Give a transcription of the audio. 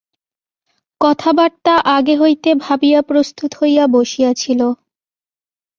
কথাবার্তা আগে হইতে ভাবিয়া প্রস্তুত হইয়া বসিয়া ছিল।